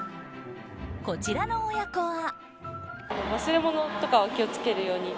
こちらの親子は。